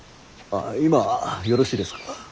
あ今よろしいですか。